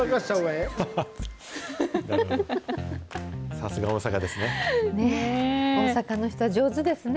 さすが、大阪ですね。